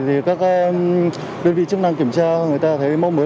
thì các đơn vị chức năng kiểm tra người ta thấy móc mới